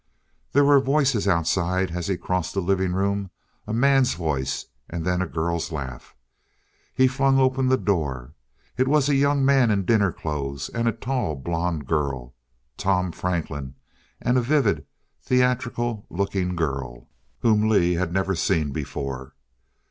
There were voices outside as he crossed the living room a man's voice, and then a girl's laugh. He flung open the door. It was a young man in dinner clothes and a tall blonde girl. Tom Franklin, and a vivid, theatrical looking girl, whom Lee had never seen before.